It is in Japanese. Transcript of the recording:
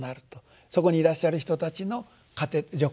そこにいらっしゃる人たちの資糧食となる。